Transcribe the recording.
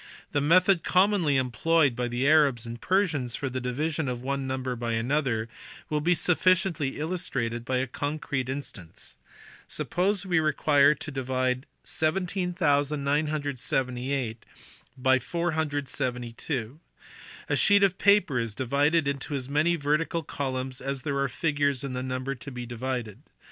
The method commonly employed by the Arabs and Persians for the division of one number by another will be sufficiently illustrated by a concrete instance. Suppose we require to divide 17978 by 472. A sheet of paper is divided into as many vertical columns as there are figures in the number to be divided.